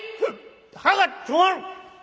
刃が止まる。